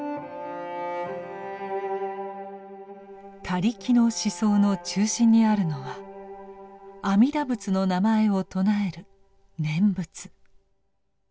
他力の思想の中心にあるのは阿弥陀仏の名前を称える「念仏」。